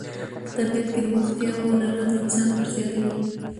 په طبیعت کې د بوختیاوو لرل د انسان عمر زیاتوي.